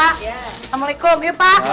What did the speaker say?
assalamualaikum ya pak